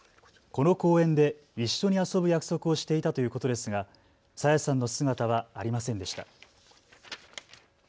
この公園で一緒に遊ぶ約束をしていたということですが朝芽さんの姿はありませんでした。